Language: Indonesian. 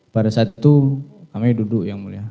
pada saat itu kami duduk yang mulia